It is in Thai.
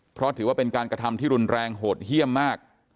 เพราะถือว่าเป็นการกระทำที่รุนแรงโหดเยี่ยมมาก